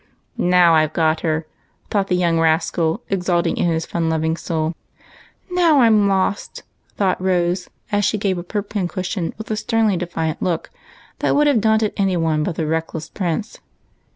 "Now I've got her," thought the young rascal, exulting in his fun loving soul. " Now I 'm lost," thought Rose, as she gave up her pin cushion with a sternly defiant look that would have daunted any one but the reckless Prince.